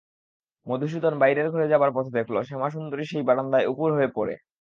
মধুসূদন বাইরের ঘরে যাবার পথে দেখলে শ্যামাসুন্দরী সেই বারান্দায় উপুড় হয়ে পড়ে।